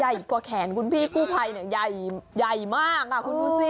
ใหญ่กว่าแขนคุณพี่กู้ภัยเนี่ยใหญ่มากคุณดูสิ